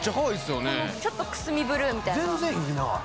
ちょっと、くすみブルーみたいな。